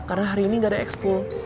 karena hari ini gak ada ekspor